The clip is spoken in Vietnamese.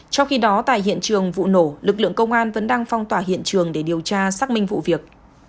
trong khi đó tại hiện trường vụ nổ lực lượng công an vẫn đang phong tỏa hiện trường để điều tra xác minh vụ việc